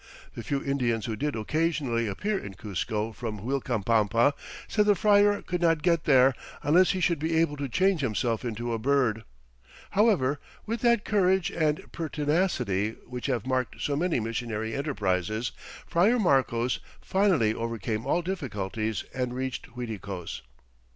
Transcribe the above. The few Indians who did occasionally appear in Cuzco from Uilcapampa said the friar could not get there "unless he should be able to change himself into a bird." However, with that courage and pertinacity which have marked so many missionary enterprises, Friar Marcos finally overcame all difficulties and reached Uiticos.